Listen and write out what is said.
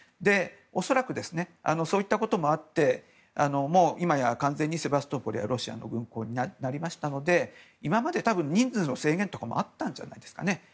恐らく、そういったこともあってもう今や完全にセバストポリはロシアの軍港になりましたので今まで多分、人数の制限とかもあったんじゃないですかね。